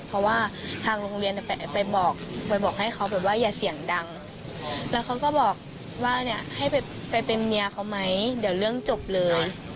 เพราะว่าทางโรงเรียนไปบอกไปบอกให้เขาแบบว่าอย่าเสียงดังแล้วเขาก็บอกว่าเนี่ยให้ไปเป็นเมียเขาไหมเดี๋ยวเรื่องจบเลย